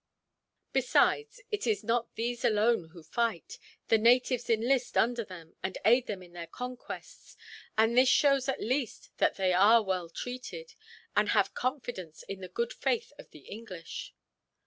"Besides, it is not these alone who fight. The natives enlist under them, and aid them in their conquests; and this shows, at least, that they are well treated, and have confidence in the good faith of the English."